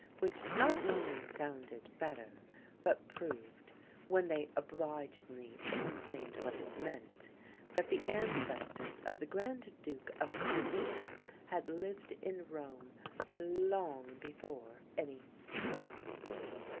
which not only sounded better, but proved (when they obligingly explained what it meant) that the ancestors of the Grand Duke of Carinthia had lived in Rome long before any Pope.